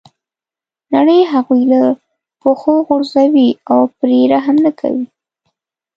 نړۍ هغوی له پښو غورځوي او پرې رحم نه کوي.